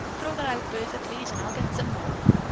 Throw that out, Bertha, please, and I'll get some more."